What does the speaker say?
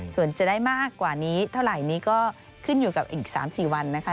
ส่วนจะได้มากกว่านี้เท่าไหร่นี้ก็ขึ้นอยู่กับอีก๓๔วันนะคะ